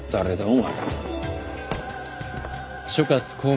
お前。